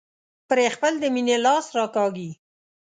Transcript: پرې خپل د مينې لاس راکاږي.